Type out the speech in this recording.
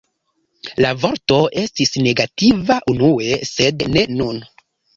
La vorto estis negativa unue, sed ne nun.